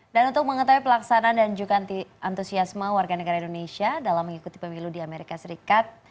untuk mengetahui pelaksanaan dan juga antusiasme warga negara indonesia dalam mengikuti pemilu di amerika serikat